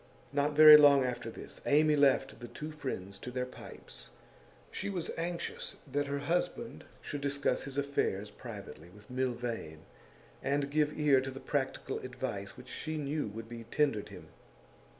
Not very long after this, Amy left the two friends to their pipes; she was anxious that her husband should discuss his affairs privately with Milvain, and give ear to the practical advice which she knew would be tendered him.